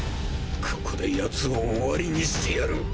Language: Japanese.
ここで奴を終わりにしてやる！！